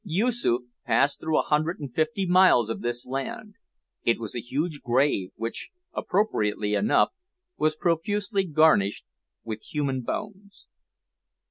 Yoosoof passed through a hundred and fifty miles of this land; it was a huge grave, which, appropriately enough, was profusely garnished with human bones.